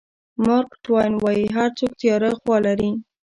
مارک ټواین وایي هر څوک تیاره خوا لري.